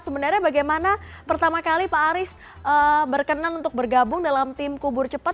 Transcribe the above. sebenarnya bagaimana pertama kali pak aris berkenan untuk bergabung dalam tim kubur cepat